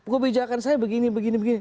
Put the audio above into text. gue bijakan saya begini begini begini